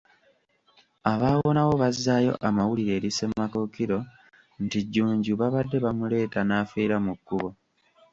Abaawonawo bazzaayo amawulire eri Ssemakookiro nti Jjunju babadde bamuleeta n’afiira mu kkubo.